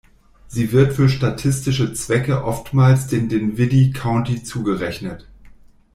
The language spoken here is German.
Sie wird für statistische Zwecke oftmals dem Dinwiddie County zugerechnet.